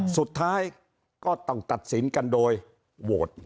สุดท้ายก็ต้องตัดสินกันโดยโหวต